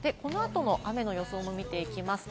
この後の雨の予想を見ていきます。